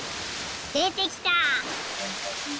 でてきた！